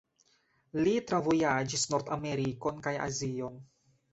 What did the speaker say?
Li travojaĝis Nord-Amerikon kaj Azion.